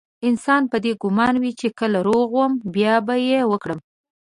انسان په دې ګمان وي چې کله روغ وم بيا به يې وکړم.